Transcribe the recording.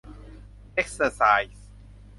เอ็กเซอร์ไซส์